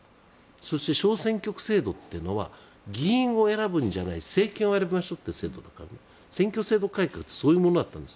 そして、小選挙区制度は議員を選ぶんじゃない政権を選びましょうという制度だから選挙制度改革ってそういうものだったんです。